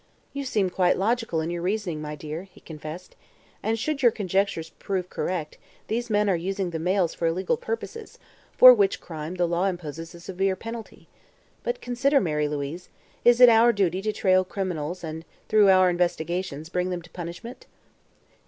"You seem quite logical in your reasoning, my dear," he confessed, "and, should your conjectures prove correct, these men are using the mails for illegal purposes, for which crime the law imposes a severe penalty. But consider, Mary Louise, is it our duty to trail criminals and through our investigations bring them to punishment?"